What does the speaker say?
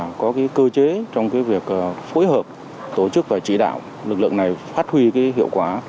là có cái cơ chế trong cái việc phối hợp tổ chức và chỉ đạo lực lượng này phát huy cái hiệu quả